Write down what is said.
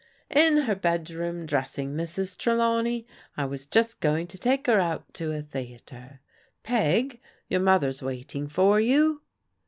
In her bedroom dressing, Mrs. Trelawney. I was just going to take her out to a theatre. Peg, your mother's waiting for you."